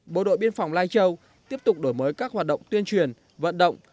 bộ đội biên phòng lai châu tiếp tục đổi mới các hoạt động tuyên truyền vận động